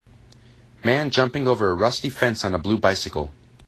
Man jumping over a rusty fence on a blue bicycle.